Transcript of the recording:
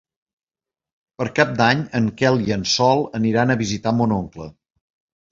Per Cap d'Any en Quel i en Sol aniran a visitar mon oncle.